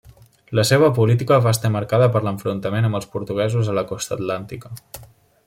La seva política va estar marcada per l'enfrontament amb els portuguesos a la costa atlàntica.